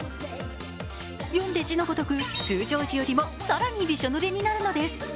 読んで字のごとく、通常時よりも更にびしょ濡れになるのです。